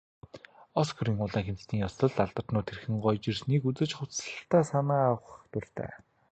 Оскарын улаан хивсний ёслолд алдартнууд хэрхэн гоёж ирснийг үзэж, хувцаслалтдаа санаа авах дуртай.